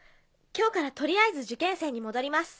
今日からとりあえず受験生に戻ります。